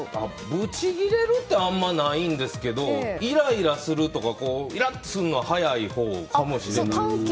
ブチギレるってあまりないんですけどイライラするのは早いほうかもしれないです。